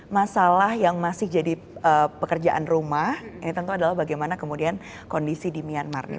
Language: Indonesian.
masalah yang masih jadi pekerjaan rumah ini tentu adalah bagaimana kemudian kondisi di myanmar